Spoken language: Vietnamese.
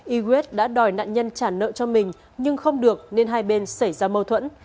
yigwet đã đòi nạn nhân trả nợ cho mình nhưng không được nên hai bên xảy ra mâu thuẫn